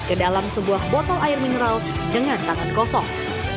ke dalam sebuah botol air mineral dengan tangan kosong